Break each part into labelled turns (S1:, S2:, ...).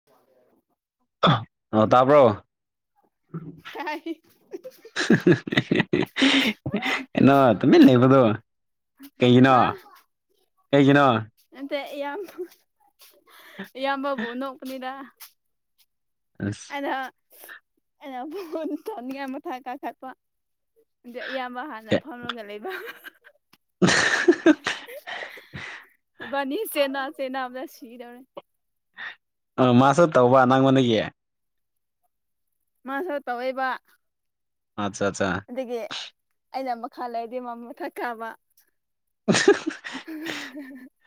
S1: ꯌꯥꯦꯔ
S2: ꯑ ꯇꯥꯕ꯭ꯔꯣ
S1: ꯀꯥꯏ
S2: ꯀꯩꯅꯣ ꯇꯃꯤ ꯂꯩꯕꯗꯣ
S1: ꯑ
S2: ꯑꯩꯖꯅ
S1: ꯅꯠꯇꯦ ꯏꯌꯥꯝꯕ ꯏꯌꯥꯝꯕꯕꯨ ꯅꯣꯛꯅꯤꯗ
S2: ꯑꯁ
S1: ꯑꯩꯅ ꯐꯣꯟ ꯇꯧꯅꯦꯗꯥ ꯃꯊꯛꯇꯥ ꯀꯈꯠꯄ ꯑꯗꯨ ꯑꯌꯥꯝꯕ ꯍꯥꯟꯅ
S2: ꯑꯦ
S1: ꯐꯝꯃꯒ ꯂꯩꯕ ꯏꯕꯥꯅꯤ ꯆꯦꯟꯅꯥ ꯆꯦꯟꯅꯥ ꯑꯅ ꯁꯤꯗꯥꯧꯔ
S2: ꯑ ꯃꯁꯨ ꯇꯧꯕ ꯅꯪꯉꯣꯟꯅꯒꯤ
S1: ꯃꯥꯁꯨ ꯇꯧꯋꯏꯕ
S2: ꯑꯠꯆꯥ ꯑꯠꯆꯥ
S1: ꯑꯩꯅ ꯃꯈꯥ ꯂꯩꯗꯤ ꯃꯥ ꯃꯊꯛ ꯀꯥꯕ
S2: ꯑꯍꯥ ꯍꯥ
S1: [unintelligible]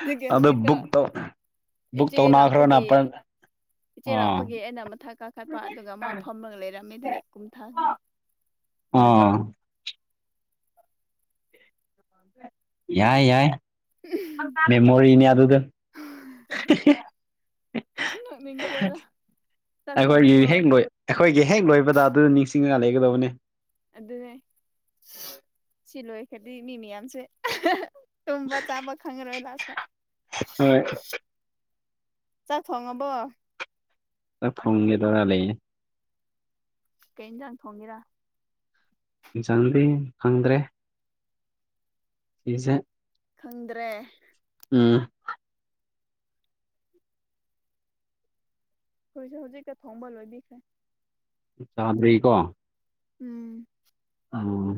S1: ꯑꯗꯨꯒꯤ
S2: ꯑꯗ
S1: ꯍꯧꯖꯤꯛꯇ
S2: ꯕꯨꯛꯇꯛꯇꯧ
S1: ꯏꯆꯦ ꯂꯛꯄꯒꯤ ꯏꯆꯦꯜ
S2: ꯑꯥ
S1: ꯂꯥꯛꯄꯒꯤ ꯑꯩꯅ ꯃꯊꯛ ꯀꯥꯈꯠꯄ ꯑꯗꯨꯒ ꯃꯥ ꯐꯝꯃꯒ ꯂꯩꯔꯝꯃꯤ ꯑꯗꯨꯗꯒꯤ ꯀꯨꯝ ꯊꯥꯈ꯭ꯔꯦ
S2: ꯑꯥ ꯌꯥꯏ ꯌꯥꯏ ꯃꯦꯃꯣꯔꯤꯅꯤ ꯑꯗꯨ ꯑꯗꯨꯗ
S1: ꯅꯣꯛꯅꯤꯡꯉꯦꯗ ꯆꯥꯛ
S2: ꯑꯩꯈꯣꯏꯒꯤ
S1: ꯊꯣꯡꯉꯕꯣ
S2: ꯍꯦꯛ ꯂꯣꯏ ꯑꯩꯈꯣꯏꯒꯤ ꯍꯦꯛ ꯂꯣꯏꯕꯗ ꯑꯗꯨ ꯅꯤꯡꯁꯤꯡꯉꯒ ꯂꯩꯒꯗꯕꯅꯦ
S1: ꯑꯗꯨꯅꯦ ꯁꯤ ꯂꯣꯏ ꯈꯗꯤ ꯃꯤ ꯃꯌꯥꯝꯁꯦ ꯇꯨꯝꯕ ꯆꯥꯕ ꯈꯪꯪꯉꯔꯣꯏ ꯂꯥꯁꯇ
S2: ꯍꯣꯏ
S1: ꯆꯥꯛ ꯊꯣꯡꯉꯕꯣ
S2: ꯇ ꯐꯣꯡꯒꯦꯗꯔ ꯂꯩꯌꯦ
S1: ꯀꯩ ꯍꯦꯟꯖꯥꯡ ꯊꯣꯡꯒꯦꯔ
S2: ꯏꯟꯁꯥꯡꯗꯤ ꯈꯪꯗ꯭ꯔꯦ ꯁꯤꯁꯦ
S1: ꯈꯪꯗ꯭ꯔꯦ
S2: ꯎꯝ
S1: ꯑꯩꯈꯣꯏꯁꯨꯦ ꯍꯧꯖꯤꯛꯇ ꯊꯣꯡꯕ ꯂꯣꯏꯕꯤꯈ꯭ꯔꯦ
S2: ꯆꯗ꯭ꯔꯍꯤꯀꯣ
S1: ꯎꯝ
S2: ꯑꯣ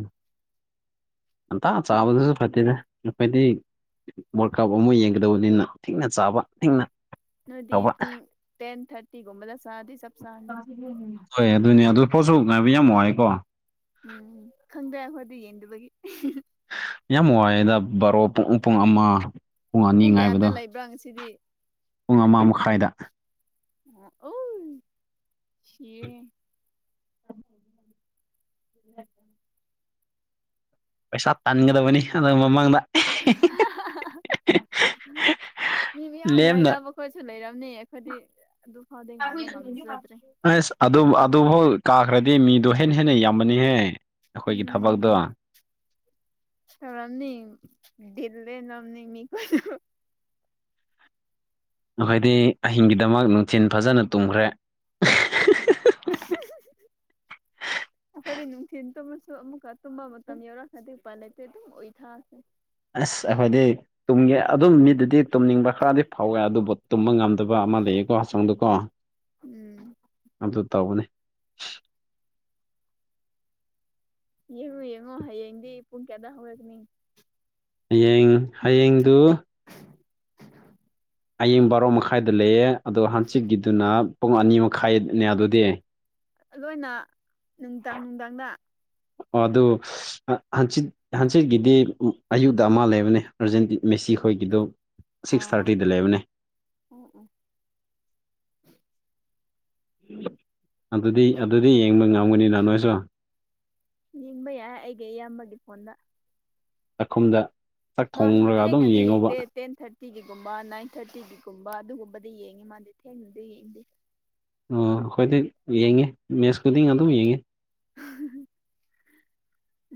S2: ꯉꯟꯇꯥ ꯆꯥꯕꯗꯨꯁꯨ ꯐꯠꯇꯦꯗ ꯑꯩꯈꯣꯏꯗꯤ ꯋꯥꯔꯜ ꯀꯥꯞ ꯑꯃ ꯌꯦꯡꯒꯗꯕꯅꯤꯅ ꯊꯦꯡꯅ ꯆꯥꯕ ꯊꯦꯡꯅ
S1: ꯅꯣꯏꯗꯤ
S2: ꯇꯧꯕ
S1: ꯄꯨꯡ ꯇꯦꯟ ꯊꯥꯔꯇꯤꯒꯨꯝꯕꯗ ꯆꯥꯗꯤ ꯆꯞ ꯆꯥꯔꯅꯤ
S2: ꯍꯣꯏ ꯑꯗꯨꯅꯦ ꯑꯗꯨ ꯄꯣꯠꯁꯨ ꯉꯥꯏꯕ ꯌꯥꯝ ꯋꯥꯏꯀꯣ
S1: ꯎꯝ ꯈꯪꯗ꯭ꯔꯦ ꯑꯩꯈꯣꯏꯗꯤ ꯌꯦꯡ ꯗꯕꯒꯤ
S2: ꯌꯥꯝ ꯋꯥꯏꯑꯦꯗ ꯕꯥꯔꯣ ꯄꯨꯡ ꯑꯃ ꯄꯨꯡ ꯑꯅꯤ
S1: ꯀꯌꯥꯗ
S2: ꯉꯥꯏꯕꯗꯣ
S1: ꯂꯩꯕ꯭ꯔꯥ ꯉꯁꯤꯗꯤ
S2: ꯄꯨꯡ ꯑꯃ ꯃꯈꯥꯏꯗ
S1: ꯑꯣ ꯁꯤꯌꯦ
S2: ꯄꯩꯁꯥ
S1: ꯄꯨꯡ
S2: ꯇꯥꯟꯒꯗꯕꯅꯤ ꯑꯗꯨ ꯃꯃꯥꯡꯗ
S1: ꯃꯤ ꯃꯤꯌꯥꯝ
S2: ꯂꯦꯝꯅ
S1: ꯉꯥꯏꯅꯕ ꯑꯩꯈꯣꯏꯁꯨ ꯂꯩꯔꯝꯅꯤ ꯑꯩꯈꯣꯏꯗꯤ ꯑꯗꯨ ꯐꯥꯎꯗꯤ ꯉꯥꯏꯕ ꯉꯝꯖꯗ꯭ꯔꯦ
S2: ꯑꯁ ꯑꯗꯨ ꯑꯗꯨꯐꯥꯎ ꯀꯥꯈ꯭ꯔꯗꯤ ꯃꯤꯗꯣ ꯍꯦꯟꯅ ꯍꯦꯟꯅ ꯌꯥꯝꯃꯅꯤꯍꯦ
S1: ꯎꯝ ꯇꯧꯔꯝꯅꯤ ꯗꯤꯜ ꯂꯦꯜꯂꯝꯅꯤ ꯃꯤ ꯈꯨꯗꯤꯡꯃꯛ
S2: ꯑꯩꯈꯣꯏꯗꯤ ꯑꯍꯤꯡꯒꯤꯗꯃꯛ ꯅꯨꯡꯊꯤꯟꯜ ꯐꯖꯅ ꯇꯨꯝꯈ꯭ꯔꯦ [unintelligible]
S1: [inaudible] ꯑꯩꯈꯣꯏꯗꯤ ꯅꯨꯡꯊꯤꯜ ꯇꯨꯝꯃꯁꯨ ꯑꯃꯨꯛꯀ ꯇꯨꯝꯕ ꯃꯇꯝ ꯌꯧꯔꯛꯑꯀꯗꯤ ꯎꯄꯥꯏ ꯂꯩꯇꯦ ꯑꯗꯨꯝ ꯎꯏꯊꯈ꯭ꯔꯦ
S2: ꯑꯁ ꯑꯩꯈꯣꯏꯗꯤ ꯇꯨꯝꯒꯦ ꯑꯗꯨꯝ ꯃꯤꯗꯨꯗꯤ ꯇꯨꯝꯅꯤꯡꯕ ꯈꯔꯗꯤ ꯐꯥꯎꯋꯦ ꯑꯗꯨꯕꯨ ꯇꯨꯝꯕ ꯉꯝꯗꯕ ꯑꯃ ꯂꯩꯌꯦꯀꯣ ꯁꯪꯗꯨꯀꯣ
S1: ꯎꯝ
S2: ꯑꯗꯨ ꯇꯧꯕꯅꯤ
S1: ꯌꯦꯡꯉꯣ ꯌꯦꯡꯉꯣ ꯍꯌꯦꯡꯗꯤ ꯄꯨꯡ ꯀꯌꯥꯗ ꯍꯧꯔꯛꯅꯤ
S2: ꯍꯌꯦꯡ ꯍꯌꯦꯡꯗꯨ ꯍꯌꯦꯡ ꯕꯥꯔꯣ ꯃꯈꯥꯏꯗ ꯂꯩꯌꯦ ꯑꯗꯣ ꯍꯟꯆꯤꯠꯀꯤꯗꯨꯅ ꯄꯨꯡ ꯑꯅꯤ ꯃꯈꯥꯏꯅꯦ ꯑꯗꯨꯗꯤ
S1: ꯂꯣꯏꯅ ꯅꯨꯡꯗꯥꯡ ꯅꯨꯡꯗꯥꯡꯗ
S2: ꯑ ꯑꯗꯨ ꯍꯪꯆꯤꯠ ꯍꯟꯆꯤꯠꯀꯤꯗꯤ ꯑꯌꯨꯛꯇ ꯑꯃ ꯂꯩꯕꯅꯦ ꯑꯔꯖꯦꯟ ꯃꯦꯁꯤ ꯈꯣꯏꯒꯤꯗꯨ ꯁꯤꯛꯁ ꯊꯥꯔꯇꯤꯗ ꯂꯩꯕꯅꯦ
S1: ꯎꯝ ꯎꯝ
S2: ꯑꯗꯨꯗꯤ ꯑꯗꯨꯗꯤ ꯌꯦꯡꯕ ꯉꯝꯒꯅꯤꯅ ꯅꯣꯏꯁꯨ
S1: ꯌꯦꯡꯕ ꯌꯥꯏ ꯑꯩꯒꯤ ꯏꯌꯥꯝꯕꯒꯤ ꯐꯣꯟꯗ
S2: ꯆꯥꯛꯈꯨꯝꯗ ꯆꯥꯛ
S1: ꯃꯥꯁꯨ
S2: ꯊꯣꯡꯂꯒ ꯑꯗꯨꯝ
S1: ꯊꯦꯡꯅꯗꯤ
S2: ꯌꯦꯡꯉꯨꯕ
S1: ꯌꯦꯡꯗꯦ ꯇꯦꯟ ꯊꯥꯔꯇꯤꯒꯤꯒꯨꯝꯕ ꯅꯥꯏꯟ ꯊꯥꯔꯇꯤꯒꯤꯒꯨꯝꯕ ꯑꯗꯨꯒꯨꯝꯕꯗꯤ ꯌꯦꯡꯉꯤ ꯃꯥꯗꯤ ꯊꯦꯡꯅꯗꯤ ꯌꯦꯡꯗꯦ
S2: ꯑꯣ ꯑꯩꯈꯣꯏꯗꯤ ꯌꯦꯡꯉꯦ ꯃꯦꯠꯁ ꯈꯨꯨꯗꯤꯡ ꯑꯗꯨꯝ ꯌꯦꯡꯉꯤ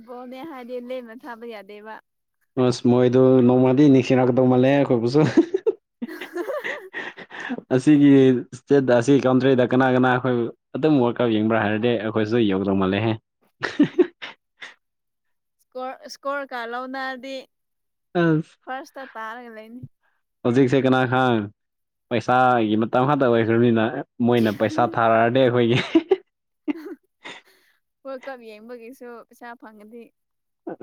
S1: ꯕꯣꯅꯦ ꯍꯥꯏꯗꯤ ꯂꯦꯝꯅ ꯊꯥꯕ ꯌꯥꯗꯦꯕ
S2: ꯑꯁ ꯃꯣꯏꯗꯨ ꯅꯣꯡꯃꯗꯤ ꯅꯤꯡꯁꯤꯡꯔꯛꯀꯗꯧ ꯃꯥꯜꯂꯦ ꯑꯩꯈꯣꯏꯕꯨꯁꯨ
S1: [unintelligible]
S2: ꯑꯁꯤꯒꯤ ꯏꯁꯦꯠ ꯑꯁꯤ ꯀꯥꯎꯝꯗ꯭ꯔꯦꯗ ꯀꯅꯥ ꯀꯅꯥ ꯑꯩꯈꯣꯏ ꯑꯗꯨꯝ ꯋꯥꯔꯜ ꯀꯞ ꯌꯦꯡꯕ꯭ꯔꯥ ꯍꯥꯏꯔꯗꯤ ꯑꯩꯈꯣꯏꯁꯨ ꯌꯥꯎꯗꯧ ꯃꯥꯜꯂꯦꯍꯦ [unintelligible]
S1: ꯏꯁꯀ ꯏꯁꯀꯣꯔ ꯀꯥꯔ ꯂꯧꯅꯔꯗꯤ
S2: ꯑꯁ
S1: ꯐꯥꯔꯁꯇ ꯇꯥꯔꯒ ꯂꯩꯅꯤ
S2: ꯍꯧꯖꯤꯛꯁꯦ ꯀꯅꯥꯒꯥꯡ ꯄꯩꯁꯥꯒꯤ ꯃꯇꯝ ꯉꯥꯛꯇ ꯑꯣꯏꯈ꯭ꯔꯕꯅꯤꯅ ꯃꯣꯏꯅ ꯄꯩꯁꯥ ꯊꯥꯔꯛꯑꯗꯤ ꯑꯩꯈꯣꯏꯒꯤ
S1: ꯋꯔꯂꯗ ꯀꯞ ꯌꯦꯡꯕꯒꯤꯁꯨ ꯄꯩꯁꯥ ꯐꯪꯉꯗꯤ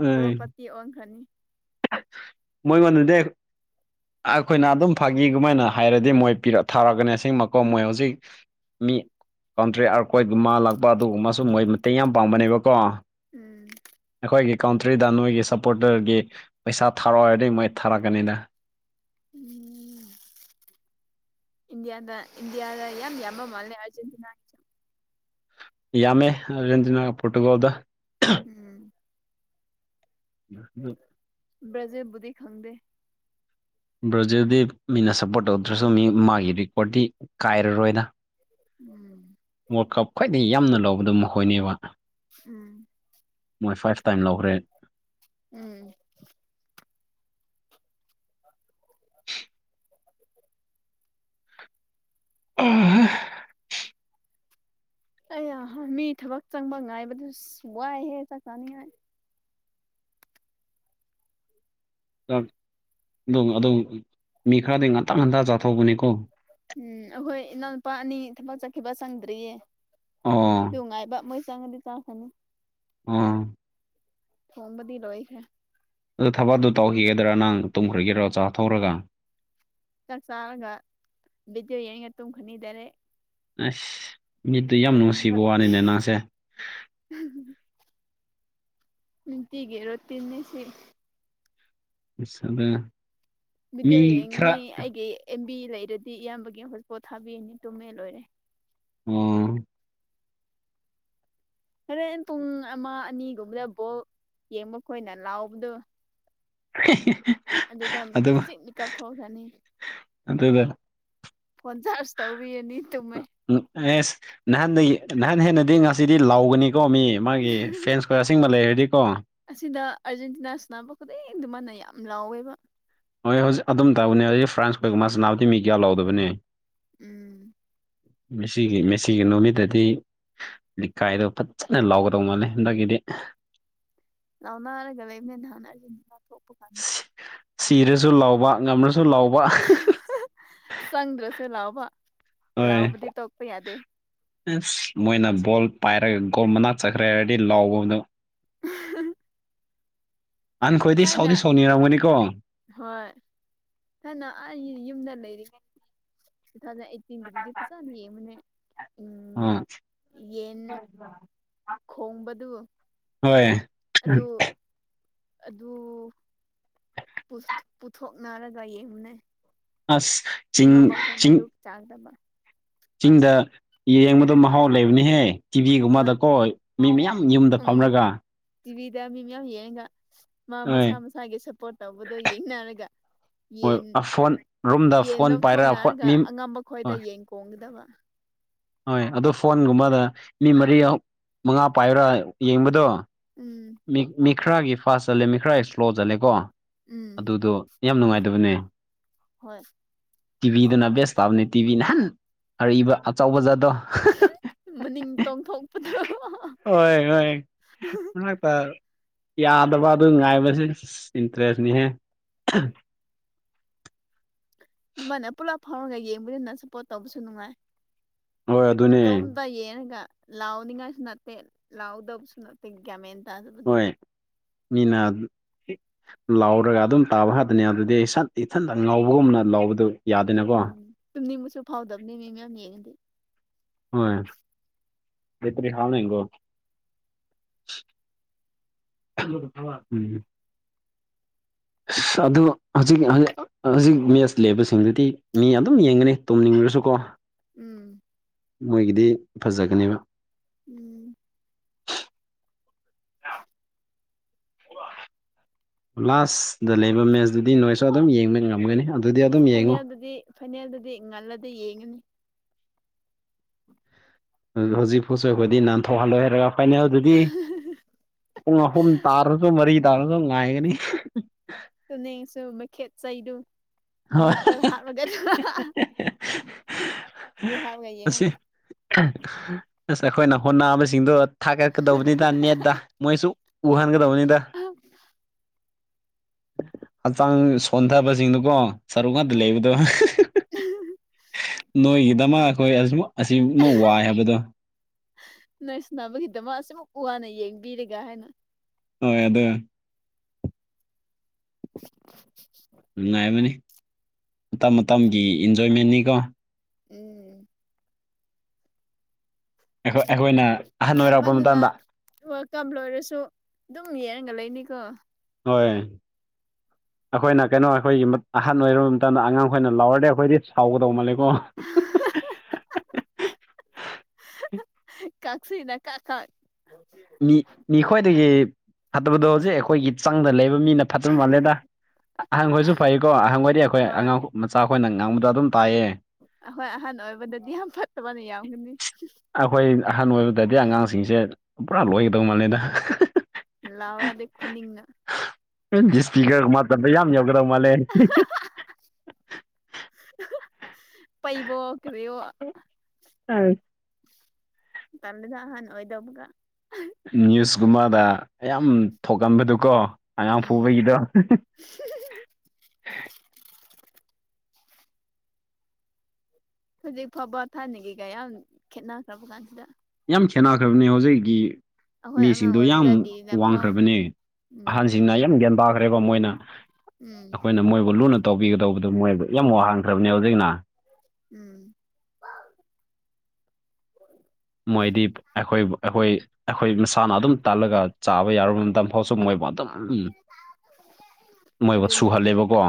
S2: ꯑ
S1: ꯀ꯭ꯔꯣꯔꯄꯇꯤ ꯑꯣꯟꯈ꯭ꯔꯅꯤ
S2: ꯃꯣꯏ ꯃꯥꯟꯅꯥꯗꯦ ꯑꯩꯈꯣꯏꯅ ꯑꯗꯨꯝ ꯐꯥꯒꯤꯒꯃꯥꯏꯅ ꯍꯥꯏꯔꯗꯤ ꯃꯣꯏ ꯄꯤꯔ ꯊꯥꯔꯛꯀꯅꯤꯁꯦꯡꯃꯛꯀꯣ ꯃꯣꯏ ꯍꯧꯖꯤꯛ ꯃꯤ ꯀꯥꯎꯟꯇ꯭ꯔꯦꯛ ꯑꯥꯔꯀꯣꯏꯒꯨꯝꯕ ꯂꯥꯛꯄ ꯑꯗꯨꯒꯨꯝꯕꯁꯨ ꯃꯣꯏ ꯃꯇꯦꯡ ꯌꯥꯝ ꯄꯥꯡꯕꯅꯦꯕꯀꯣ
S1: ꯎꯝ
S2: ꯑꯩꯈꯣꯏꯒꯤ ꯀꯥꯎꯟꯇ꯭ꯔꯤꯗ ꯅꯣꯏꯒꯤ ꯁꯞꯄꯣꯔꯇꯔꯒꯤ ꯄꯩꯁꯥ ꯊꯥꯔꯛꯑꯣꯏꯔꯗꯤ ꯃꯣꯏ ꯊꯥꯔꯛꯀꯅꯤꯗ
S1: ꯎꯝ ꯏꯟꯗꯤꯌꯥꯗ ꯏꯟꯗꯤꯌꯥꯗ ꯌꯥꯝ ꯌꯥꯝꯕ ꯃꯥꯜꯂꯦ ꯑꯔꯖꯦꯟꯇꯤꯅꯥꯒꯤꯁꯨ
S2: ꯌꯥꯝꯃꯦ ꯑꯥꯔꯖꯦꯟꯇꯤꯅꯥꯒ ꯄꯣꯔꯇꯨꯒꯜꯗꯣ
S1: ꯎꯝ
S2: ꯎ
S1: ꯕꯖꯦꯕꯨꯗꯤ ꯈꯪꯗꯦ
S2: ꯕ꯭ꯔꯥꯖꯤꯜꯗꯤ ꯃꯤꯅ ꯁꯞꯄꯣ꯭ꯔꯠ ꯇꯧꯗ꯭ꯔꯁꯨ ꯃꯤ ꯃꯥꯒꯤ ꯔꯦꯀꯣ꯭ꯔꯠꯇꯤ ꯀꯥꯏꯔꯔꯣꯏꯅ
S1: ꯎꯝ
S2: ꯋꯥꯜ ꯀꯞ ꯈ꯭ꯋꯥꯏꯗꯒꯤ ꯌꯥꯝꯅ ꯂꯧꯕꯗꯣ ꯃꯈꯣꯏꯅꯦꯕ
S1: ꯎꯝ
S2: ꯃꯣꯏ ꯐꯥꯏꯚ ꯇꯥꯏꯝ ꯂꯧꯈꯔꯦ
S1: ꯎꯝ
S2: ꯑꯍꯥ
S1: ꯑꯩ ꯃꯤ ꯊꯕꯛ ꯆꯪꯕ ꯉꯥꯏꯕꯗꯨꯁꯨ ꯋꯥꯏꯍꯦ ꯆꯥꯛ ꯆꯥꯅꯤꯡꯉꯥꯏ
S2: ꯑꯗꯨ ꯃꯤ ꯈꯔꯗꯤ ꯉꯟꯇ ꯉꯟꯇ ꯆꯥꯊꯧꯕꯅꯤꯀꯣ
S1: ꯎꯝ ꯑꯩꯈꯣꯏ ꯏꯅꯥꯎ ꯂꯨꯄꯥ ꯑꯅꯤ ꯊꯕ ꯆꯠꯈꯤꯕ ꯆꯪꯗ꯭ꯔꯤꯌꯦ
S2: ꯑꯣ
S1: ꯅꯨꯡꯉꯥꯏꯕ ꯃꯣꯏ ꯆꯪꯉꯗꯤ ꯆꯥ ꯐꯅ
S2: ꯑꯥ
S1: ꯈꯣꯡꯕꯗꯤ ꯂꯣꯏꯐꯦ
S2: ꯑꯗ ꯊꯕꯇꯣ ꯇꯧꯈꯤꯒꯗ꯭ꯔꯥ ꯅꯪ ꯇꯨꯝꯈ꯭ꯔꯒꯦꯔꯣ ꯆꯥ ꯊꯧꯔꯒ
S1: ꯆꯥꯥꯛ ꯆꯥꯔꯒ ꯕꯤꯗꯤꯑꯣ ꯌꯦꯡ ꯌꯦꯡꯒ ꯇꯨꯝꯈ꯭ꯔꯅꯤ ꯗꯥꯏꯔꯦꯛ
S2: ꯑꯁ ꯃꯤꯠꯇꯨ ꯌꯥꯝ
S1: ꯂꯣꯏꯔꯦ
S2: ꯅꯨꯡꯁꯤꯕ
S1: ꯊꯕꯛ
S2: ꯋꯥꯅꯤꯅꯦ ꯅꯪꯁꯦ
S1: ꯅꯨꯡꯇꯤꯒꯤ ꯔꯣꯇꯤꯟꯅꯤ ꯁꯤ
S2: ꯏꯁ ꯑꯗꯨꯅ
S1: ꯚꯗꯤꯑꯣ ꯌꯦꯡꯉꯅꯤ ꯑꯩꯒꯤ ꯑꯦꯝ ꯕꯤ ꯂꯩꯔꯗꯤ ꯏꯌꯥꯝꯕꯒꯤ ꯍꯣꯁꯄꯣꯠ ꯊꯥꯕꯤꯅꯤ ꯇꯨꯝꯃꯦ ꯂꯣꯏꯔꯦ
S2: ꯑꯣ
S1: ꯍꯣꯔꯦꯟ ꯄꯨꯡ ꯑꯃ ꯑꯅꯤꯒꯨꯝꯕꯗ ꯕꯣꯜ ꯌꯦꯡꯕ ꯈꯣꯏꯅ ꯂꯥꯎꯕꯗꯣ ꯑꯗꯨꯗꯃꯨꯛ ꯈꯤꯖꯤꯛ ꯃꯤꯀꯞ ꯊꯣꯛꯈ꯭ꯔꯅꯤ
S2: ꯑꯗꯒ
S1: ꯐꯣꯟ ꯆꯥ꯭ꯔꯍ ꯇꯧꯕꯤꯔꯅꯤ ꯇꯨꯝꯃꯦ
S2: ꯎꯝ ꯑꯦꯁ ꯅꯍꯥꯟꯗꯒꯤ ꯅꯍꯥꯟ ꯍꯦꯟꯅꯗꯤ ꯉꯁꯤꯗꯤ ꯂꯥꯎꯒꯅꯤꯀꯣ ꯃꯤ ꯃꯥꯒꯤ ꯐꯦꯟꯁꯀ ꯑꯁꯤꯡꯕ ꯂꯩꯔꯗꯤꯀꯣ
S1: ꯑꯁꯤꯗ ꯑꯥꯔꯖꯦꯟꯇꯤꯅꯥ ꯁꯥꯟꯅꯕ ꯈꯨꯗꯤꯡ ꯑꯗꯨꯃꯥꯏꯅ ꯌꯥꯝ ꯂꯥꯎꯋꯦꯕ
S2: ꯍꯣꯏ ꯍꯧꯖꯤꯛ ꯑꯗꯨꯝ ꯇꯧꯕꯅꯦ ꯍꯧꯖꯤꯛ ꯐ꯭ꯔꯥꯟꯁ ꯀꯣꯏꯒꯨꯝꯃꯥ ꯁꯅꯥꯕꯗꯤ ꯃꯤ ꯀꯌꯥ ꯂꯥꯎꯗꯕꯅꯦ
S1: ꯎꯝ
S2: ꯃꯦꯁꯤꯒꯤ ꯃꯦꯁꯤꯒꯤ ꯅꯨꯃꯤꯠꯇꯗꯤ ꯂꯩꯀꯥꯏꯗꯣ ꯐꯖꯅ ꯂꯥꯎꯒꯗꯧ ꯃꯥꯜꯂꯦ ꯍꯟꯗꯛꯀꯤꯗꯤ
S1: ꯂꯥꯎꯅꯔꯒ ꯂꯩꯕꯅꯦ ꯅꯍꯥꯟ ꯑꯩꯖꯨ ꯑꯃꯨꯛꯀ [inaudible]
S2: ꯁꯤꯔꯁꯨ ꯂꯥꯎꯕ ꯉꯝꯔꯁꯨ ꯂꯥꯎꯕ
S1: ꯆꯪꯗ꯭ꯔꯁꯨ ꯂꯥꯎꯕ
S2: ꯍꯣꯏ
S1: ꯂꯥꯎꯕꯗꯤ ꯇꯣꯛꯄ ꯌꯥꯗꯦ
S2: ꯑꯁ ꯃꯣꯏꯅ ꯕꯣꯜ ꯄꯥꯏꯔꯒ ꯒꯣꯜ ꯃꯅꯥꯛ ꯆꯠꯈ꯭ꯔꯦ ꯍꯥꯏꯔꯗꯤ ꯂꯥꯎꯕꯗꯣ
S1: ꯎ [unintelligible]
S2: ꯑꯍꯟꯈꯣꯏꯗꯤ ꯁꯥꯎꯗꯤ ꯁꯥꯎꯅꯤꯡꯔꯝꯒꯅꯤꯀꯣ
S1: ꯍꯣꯏ ꯊꯥꯏꯅ ꯑꯩ ꯌꯨꯝꯗ ꯂꯩꯔꯤꯉꯩ ꯇꯨ ꯊꯥꯎꯖꯟ ꯑꯥꯏꯇꯤꯟꯒꯤꯗꯨꯗꯤ ꯐꯖꯅ ꯌꯦꯡꯕꯅꯦ ꯎꯝ
S2: ꯑꯥ
S1: ꯌꯦꯟ ꯈꯣꯡꯕꯗꯨ
S2: ꯍꯣꯏ
S1: ꯑꯗꯨ ꯑꯗꯨ ꯄꯨꯠ ꯄꯨꯊꯣꯛꯅꯔꯒ ꯌꯦꯡꯕꯅꯦ
S2: ꯑꯁ ꯆꯤꯡ
S1: ꯑꯉꯝꯕ ꯈꯣꯏꯅ
S2: ꯆꯤꯡ
S1: ꯑꯗꯨ ꯆꯥꯡꯗꯕ
S2: ꯆꯤꯡꯗ ꯌꯦꯡꯕꯗꯣ ꯃꯍꯥꯎ ꯂꯩꯕꯅꯤꯍꯦ
S1: ꯍꯣꯏ
S2: ꯇꯤꯚꯤꯒꯨꯝꯕꯗꯀꯣ ꯃꯤ ꯃꯌꯥꯝ ꯌꯨꯝꯗ ꯐꯝꯔꯒ
S1: ꯇꯤꯕꯤꯗꯥ ꯃꯤ ꯃꯌꯥꯝ ꯌꯦꯡꯉꯒꯥ ꯃꯥ
S2: ꯍꯣꯏ
S1: ꯃꯁꯥ ꯃꯁꯥꯒꯤ ꯁꯄꯣꯔꯠ ꯇꯧꯕꯗꯣ ꯌꯦꯡꯅꯔꯒ
S2: ꯍꯣꯏ
S1: ꯌꯦꯟ
S2: ꯐꯣꯟ ꯔꯨꯝꯗ
S1: ꯌꯦꯟ
S2: ꯐꯣꯟ ꯄꯥꯏꯔꯒ ꯐꯣꯟ
S1: ꯂꯧꯊꯣꯛꯅꯔꯒ
S2: ꯃꯤ
S1: ꯑꯉꯝꯕ ꯈꯣꯏꯗ ꯌꯦꯟ ꯀꯣꯡꯒꯗꯕ
S2: ꯍꯣꯏ ꯑꯗꯨ ꯐꯣꯟꯒꯨꯝꯕꯗ ꯃꯤ ꯃꯔꯤ ꯃꯪꯉꯥ ꯄꯥꯏꯔꯥ ꯌꯦꯡꯕꯗꯣ
S1: ꯎꯝ
S2: ꯃꯤ ꯃꯤꯈꯔꯒꯤ ꯐꯥꯁ ꯆꯜꯂꯦ ꯃꯤꯈꯔ ꯏꯁ꯭ꯂꯣ ꯆꯠꯂꯦꯀꯣ
S1: ꯎꯝ
S2: ꯑꯗꯨꯗꯣ ꯌꯥꯝ ꯅꯨꯡꯉꯥꯏꯇꯕꯅꯦ
S1: ꯍꯣꯏ
S2: ꯇꯤꯚꯤꯗꯅ ꯕꯦꯁ ꯇꯥꯕꯅꯦ ꯇꯤꯚꯤꯅ ꯑꯔꯤꯕ ꯑꯆꯧꯕ ꯖꯥꯠꯗꯣ
S1: ꯃꯅꯤꯡ ꯇꯣꯡꯊꯣꯛꯄꯗꯣ
S2: ꯍꯣꯏ ꯍꯣꯏ ꯅꯣꯏꯄꯥꯔꯣ ꯌꯥꯗꯕ ꯑꯗꯨ ꯉꯥꯏꯕꯁꯦ ꯏꯟꯇꯔꯦꯁꯅꯤꯍꯦ
S1: ꯑꯗꯨꯃꯥꯏꯅ ꯄꯨꯂꯞ ꯐꯥꯎꯔꯒ ꯌꯦꯡꯕꯗꯨꯅ ꯁꯞꯄꯣ꯭ꯔꯠ ꯇꯧꯕꯁꯨ ꯅꯨꯡꯉꯥꯏ
S2: ꯍꯣꯏ ꯑꯗꯨꯅꯦ
S1: ꯏꯇꯣꯝꯇ ꯌꯦꯉꯒ ꯂꯥꯎꯅꯤꯡꯉꯥꯏꯁꯨ ꯅꯠꯇꯦ ꯂꯥꯎꯗꯕꯁꯨ ꯅꯠꯇꯦ ꯒ꯭ꯌꯥꯟꯃꯦꯟ
S2: ꯍꯣꯏ ꯃꯤꯅ ꯂꯥꯎꯔꯒ ꯑꯗꯨꯝ ꯇꯥꯕ ꯍꯥꯠꯇꯅꯦ ꯑꯗꯨꯗꯤ ꯁꯠ ꯏꯊꯟꯇ ꯉꯧꯕꯒꯨꯝꯅ ꯂꯥꯎꯕꯗꯨ ꯌꯥꯗꯦꯅꯀꯣ
S1: ꯎꯝ ꯇꯨꯝꯅꯤꯡꯕꯁꯨ ꯐꯥꯎꯗꯕꯅꯤ ꯃꯤ ꯃꯌꯥꯝ ꯌꯦꯡꯉꯗꯤ
S2: ꯍꯣꯏ ꯕꯦꯇꯔꯤ ꯍꯥꯡꯉꯤꯀꯣ [unintelligible] [inaudible] ꯑꯁ ꯑꯗꯨ ꯍꯧꯖꯤꯛꯀꯤ ꯍꯧꯖꯤ ꯍꯧꯖꯤꯛ ꯃꯦꯁ ꯂꯩꯕꯁꯤꯡꯗꯨꯗꯤ ꯃꯤ ꯑꯗꯨꯝ ꯌꯦꯡꯒꯅꯤ ꯇꯨꯝꯅꯤꯡꯔꯁꯨꯀꯣ
S1: ꯎꯝ
S2: ꯃꯣꯏꯒꯤꯗꯤ ꯐꯖꯒꯅꯦꯕ
S1: ꯎꯝ [unintelligible] [inaudible]
S2: ꯂꯥꯁ ꯗ ꯂꯩꯕ ꯃꯦꯁꯇꯨꯗꯤ ꯅꯣꯏꯁꯨ ꯑꯗꯨꯝ ꯌꯦꯡꯕ ꯉꯝꯒꯅꯤ ꯑꯗꯨꯗꯤ ꯑꯗꯨꯝ ꯌꯦꯡꯉꯨ
S1: ꯐꯥꯏꯅꯦꯜꯗꯗꯤ ꯐꯥꯏꯅꯦꯜꯗꯗꯤ ꯉꯜꯂꯗꯤ ꯌꯦꯡꯉꯅꯤ
S2: ꯍꯧ ꯍꯧꯖꯤꯛ ꯐꯨꯠꯆ ꯑꯩꯈꯣꯏꯗꯤ ꯅꯥꯟꯊꯣꯛꯍꯜꯂꯣꯏ ꯍꯥꯏꯔꯒ ꯐꯥꯏꯅꯦꯜꯗꯗꯤ ꯄꯨꯡ ꯑꯍꯨꯝ ꯇꯥꯔꯁꯨ ꯃꯔꯤ ꯇꯥꯔꯁꯨ ꯉꯥꯏꯒꯅꯤ
S1: ꯇꯨꯝꯅꯤꯡꯉꯁꯨ ꯃꯈꯦꯠ ꯆꯩꯗꯨ
S2: ꯍꯣꯏ
S1: ꯃꯤꯠꯇ ꯍꯥꯞꯂꯒ ꯑꯗꯨ ꯍꯥꯞ
S2: ꯑꯁꯤ ꯑꯁ ꯑꯩꯈꯣꯏꯅ ꯍꯣꯠꯅꯕꯁꯤꯡꯗꯨ ꯊꯥꯒꯠꯀꯗꯧꯕꯅꯤꯗ ꯅꯦꯠꯇ ꯃꯣꯏꯁꯨ ꯎꯍꯟꯒꯗꯧꯅꯤꯗ ꯍꯛꯆꯥꯡ ꯁꯣꯟꯊꯕꯁꯤꯡꯗꯨꯀꯣ ꯁꯔꯨꯋꯥꯠꯇ ꯂꯩꯕꯗꯨ
S1: ꯑꯍꯥ ꯍꯥ
S2: ꯅꯣꯏꯒꯤꯗꯃꯛ ꯑꯩꯈꯣꯏ ꯑꯁꯨꯃꯛ ꯑꯁꯤꯃꯛ ꯋꯥꯏ ꯍꯥꯏꯕꯗꯣ
S1: ꯅꯣꯏꯁꯥꯟꯅꯕꯒꯤꯗꯃꯛ ꯑꯁꯤꯃꯛ ꯋꯥꯅ ꯌꯦꯡꯕꯤꯔꯒꯦ ꯍꯥꯏꯅ
S2: ꯍꫭꯏ ꯑꯗꯨ
S1: [unintelligible] [inaudible]
S2: ꯅꯨꯡꯉꯥꯏꯕꯅꯤ ꯃꯇꯝ ꯃꯇꯝꯒꯤ ꯏꯟꯖꯣꯏꯃꯦꯟꯅꯤꯀꯣ
S1: ꯎꯝ
S2: ꯑꯩꯈꯣꯏ ꯑꯩꯈꯣꯏꯅ ꯑꯍꯟ ꯑꯣꯏꯔꯛꯄ ꯃꯇꯝꯗ
S1: ꯋꯥꯜꯀꯞ ꯂꯣꯏꯔꯁꯨ ꯑꯗꯨꯝ ꯌꯦꯉꯒ ꯂꯩꯅꯤꯀꯣ
S2: ꯍꯣꯏ
S1: [unintelligible] [inaudible]
S2: ꯑꯩꯈꯣꯏꯅ ꯀꯩꯅꯣ ꯑꯩꯈꯣꯏꯒꯤ ꯑꯍꯟ ꯑꯣꯏꯔꯕ ꯃꯇꯝꯗ ꯑꯉꯥꯡ ꯑꯩꯈꯣꯏꯅ ꯂꯥꯎꯔꯗꯤ ꯑꯩꯈꯣꯏꯗꯤ ꯁꯥꯎꯒꯗꯧ ꯃꯜꯂꯦꯀꯣ
S1: ꯑꯍꯥ ꯍꯥ ꯍꯥ ꯍꯥꯍꯥ ꯀꯥꯛꯁꯤꯅ ꯀꯥꯛ ꯀꯥꯛ
S2: ꯃꯤ ꯃꯤꯈꯣꯏꯗꯒꯤ ꯐꯠꯇꯕꯗꯣ ꯍꯧꯖꯤꯛ ꯑꯩꯈꯣꯏꯒꯤ ꯆꯪꯗ ꯂꯩꯕ ꯃꯤꯅ ꯊꯠꯆꯟ ꯃꯜꯂꯦꯗ ꯑꯍꯪꯈꯣꯏꯁꯨ ꯐꯩꯀꯣ ꯑꯍꯪꯈꯣꯏꯗꯤ ꯑꯩꯈꯣꯏ
S1: ꯍꯣꯏ
S2: ꯑꯉꯥꯡ ꯃꯆꯥ ꯑꯩꯈꯣꯏꯅ ꯉꯥꯡꯕꯗꫭ ꯑꯗꯨꯝ ꯇꯥꯏꯌꯦ
S1: ꯑꯩꯈꫭꯏ ꯑꯍꯟ ꯑꯣꯏꯕꯗꯗꯤ ꯌꯥꯝ ꯐꯠꯇꯕꯅ ꯌꯥꯝꯒꯅꯤ
S2: ꯑꯩꯈꯣꯏ ꯑꯍꯟ ꯑꯣꯏꯕꯗꯗꯤ ꯑꯉꯥꯡꯁꯤꯡꯁꯦ ꯄꯨꯔꯥ ꯂꯣꯏꯒꯗꯧ ꯃꯥꯜꯂꯦꯗ
S1: ꯂꯥꯎꯔꯗꯤ ꯈꯨꯅꯤꯡꯅ
S2: ꯗꯤꯁꯐꯤꯒꯔ ꯃꯥꯗ ꯌꯥꯝ ꯌꯧꯒꯗꯧ ꯃꯥꯜꯂꯦ
S1: ꯄꯩꯕꯣ ꯀꯔꯤꯑꯣ
S2: ꯑꯥ
S1: ꯇꯜꯂꯤꯗ ꯑꯍꯟ ꯑꯣꯏꯗꯕꯗ
S2: ꯅ꯭ꯌꯨꯁꯀꯨꯝꯕꯗ ꯌꯥꯝ ꯊꯣꯛꯀꯟꯕꯗꯨꯀꯣ ꯑꯉꯥꯡ
S1: ꯎꯝ
S2: ꯐꯨꯕꯒꯤꯗꯣ
S1: ꯍꯧꯖꯤꯛ ꯐꯥꯎꯕ ꯊꯥꯅꯒꯤꯒ ꯌꯥꯝ ꯈꯦꯠꯅꯈ꯭ꯔꯕ ꯀꯥꯟꯁꯤꯗ
S2: ꯌꯥꯝ ꯈꯦꯠꯅꯈ꯭ꯔꯕꯅꯦ ꯍꯧꯖꯤꯛꯀꯤ
S1: ꯑꯩꯈꯣꯏ ꯑꯉꯥꯡ
S2: ꯃꯤꯁꯤꯡꯗꯨ ꯌꯥꯝ
S1: ꯑꯣꯏꯕꯗꯒꯤꯅ ꯐꯥꯎ
S2: ꯋꯥꯡꯈ꯭ꯔꯕꯅꯦ
S1: ꯎꯝ
S2: ꯑꯍꯟꯁꯤꯡꯅ ꯌꯥꯝ ꯒ꯭ꯌꯥꯟ ꯇꯥꯈ꯭ꯔꯦꯕ ꯃꯣꯏꯅ
S1: ꯎꯝ
S2: ꯑꯩꯈꯣꯏꯅ ꯃꯣꯏꯕꯨ ꯂꯨꯅ ꯇꯧꯕꯤꯒꯗꯧꯕꯗꯨ ꯃꯣꯏꯗ ꯌꯥꯝ ꯋꯥ ꯍꯟꯈ꯭ꯔꯕꯅꯤ ꯍꯧꯖꯤꯛꯅ
S1: ꯎꯝ
S2: ꯃꯣꯏꯗꯤ ꯑꯩꯈꯣꯏꯕꯨ ꯑꯩꯈꯣꯏ ꯑꯩꯈꯣꯏ ꯃꯁꯥꯅ ꯑꯗꯨꯝ ꯇꯜꯂꯒ ꯆꯥꯕ ꯌꯥꯔꯨꯕ ꯃꯇꯝ ꯐꯥꯎꯁꯨ ꯃꯣꯏꯕꯨ ꯑꯗꯨꯝ ꯎꯝ ꯃꯣꯏꯕꯨ
S1: ꯑꯗꯨꯅꯦ
S2: ꯁꯨꯍꯜꯂꯦꯕꯀꯣ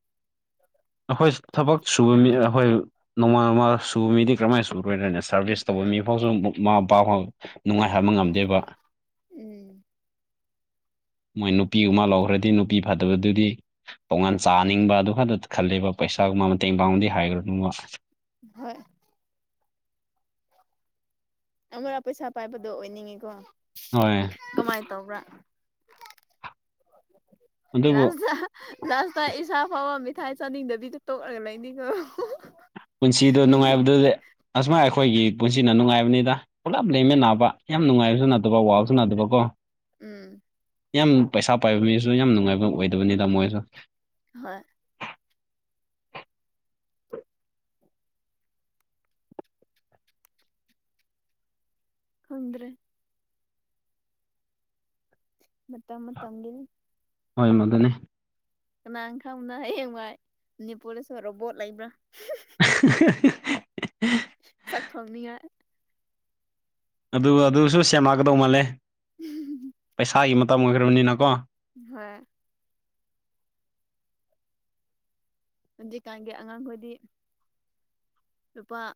S1: [unintelligible]
S2: ꯑꯩꯈꯣꯏ ꯊꯕꯛ ꯁꯨꯕ ꯃꯤ ꯈꯣꯏ ꯅꯣꯡꯃꯥ ꯅꯣꯡꯃꯥ ꯁꯨꯕ ꯃꯤꯗꯤ ꯀꯃꯥꯏꯅ ꯁꯨꯔꯣꯏꯔꯅꯦ ꯁꯥꯔꯚꯤꯁ ꯇꯧꯕ ꯃꯤꯐꯥꯎꯁꯨ ꯃꯥ ꯄꯄꯥ ꯐꯥꯎ ꯅꯨꯡꯉꯥꯏꯍꯕ ꯉꯝꯗꯦꯕ
S1: ꯎꯝ
S2: ꯃꯣꯏ ꯅꯨꯄꯤ ꯑꯃ ꯂꯧꯈ꯭ꯔꯗꯤ ꯅꯨꯄꯤ ꯐꯗꯕꯗꯨꯗꯤ ꯇꯣꯉꯥꯟ ꯆꯥꯅꯤꯡꯕ ꯑꯗꯨ ꯈꯛꯇ ꯈꯜꯂꯦꯕ ꯄꯩꯁꯥꯒꯨꯝꯕ ꯃꯇꯦꯡ ꯄꯥꯡꯕꯗꯤ ꯍꯥꯏꯔꯨꯅꯨꯑꯣ
S1: ꯍꯣꯏ ꯑꯃꯨꯔꯥ ꯄꯩꯁꯥ ꯄꯥꯏꯕꯗꯣ ꯑꯣꯏꯅꯤꯡꯉꯤꯀꯣ
S2: ꯍꯣꯏ
S1: ꯀꯃꯥꯏꯅ ꯇꯧꯕ꯭ꯔꯥ [inaudible]
S2: ꯑꯗꯨꯕꯨ
S1: ꯂꯥꯁꯇ ꯏꯁꯥ ꯐꯥꯎꯕ ꯃꯤꯊꯥꯏ ꯆꯥꯅꯤꯡꯗꯕꯤꯗꯣ ꯇꯣꯛꯂꯒ ꯂꯩꯅꯤꯀꯣ
S2: ꯄꯨꯟꯁꯤꯗ
S1: ꯃꯤꯒꯤ
S2: ꯅꯨꯡꯉꯥꯏꯕꯗꯨꯗꯤ ꯑꯁꯃꯥꯏ ꯑꯩꯈꯣꯏꯒꯤ ꯄꯨꯟꯁꯤꯅ ꯅꯨꯡꯉꯥꯏꯕꯅꯤꯗ ꯄꯨꯂꯞ ꯂꯩꯃꯤꯅꯥꯕ ꯌꯥꯝ ꯅꯨꯡꯉꯥꯏꯕꯁꯨ ꯅꯠꯇꯕ ꯋꯥꯕꯁꯨ ꯅꯠꯇꯕꯀꯣ
S1: ꯎꯝ
S2: ꯎꯝ ꯄꯩꯁꯥ ꯄꯥꯏꯕ ꯃꯤꯁꯨ ꯌꯥꯝ ꯅꯨꯡꯉꯥꯏꯕ ꯑꯣꯏꯗꯕꯅꯤꯗ ꯃꯣꯏꯁꯨ
S1: ꯍꯣꯏ ꯈꯪꯗ꯭ꯔꯦ ꯃꯇꯝ ꯃꯇꯝ ꯗꯨꯒꯤ
S2: ꯍꯣꯏ ꯃꯗꯨꯅꯤ
S1: ꯀꯅꯥ ꯈꯪꯕꯅꯣ ꯍꯌꯦꯡꯋꯥꯏ ꯅꯤꯄꯣꯂꯤꯁ ꯑꯣꯏꯔꯣ ꯕꯣꯠ ꯂꯩꯕ꯭ꯔꯥ
S2: [unintelligible]
S1: ꯆꯥꯛꯊꯣꯅꯤꯉꯥꯏ
S2: ꯑꯗꯨꯒ ꯑꯗꯨꯁꯨ ꯁꯦꯝꯃꯛꯀꯗꯧ ꯃꯥꯜꯂꯦ ꯄꯩꯁꯥꯒꯤ ꯃꯇꯝ ꯑꯣꯏꯈ꯭ꯔꯕꯅꯤꯅꯀꯣ
S1: ꯍꯣꯏ ꯍꯧꯖꯤꯛꯀꯥꯟꯒꯤ ꯑꯉꯥꯡ ꯈꯣꯏꯗꯤ ꯅꯨꯄꯥ